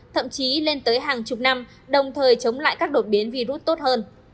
thậm chí lên tới hàng chục năm đồng thời chống lại các đột biến virus tốt hơn